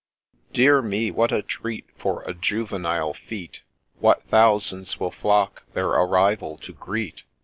— Dear me ! what a treat for a juvenile fete I What thousands will flock their arrival to greet